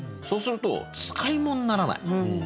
そうすると使い物にならない。